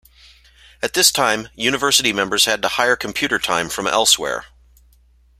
At this time university members had to hire computer time from elsewhere.